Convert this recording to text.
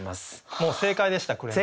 もう正解でした紅さん。